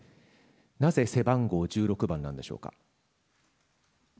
なぜ、背番号１６番なんでしょうか。